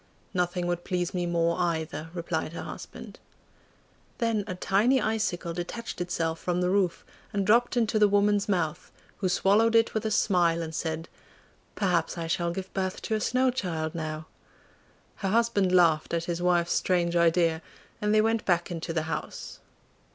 'Nothing would please me more either,' replied her husband. Then a tiny icicle detached itself from the roof, and dropped into the woman's mouth, who swallowed it with a smile, and said, 'Perhaps I shall give birth to a snow child now!' Her husband laughed at his wife's strange idea, and they went back into the house.